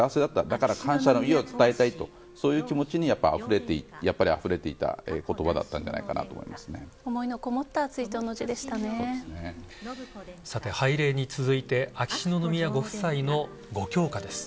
だから感謝の意を伝えたいとそういう気持ちにやっぱり、あふれていた言葉だったんじゃないかなと思いのこもった拝礼に続いて秋篠宮ご夫妻のご供花です。